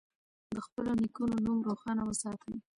د خپلو نیکونو نوم روښانه وساتئ.